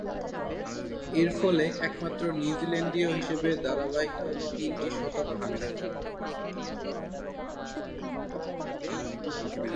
এরফলে একমাত্র নিউজিল্যান্ডীয় হিসেবে ধারাবাহিকভাবে তিনটি শতক হাঁকান।